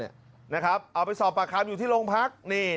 เอาไปสอบปากคำอยู่ที่โรงพัก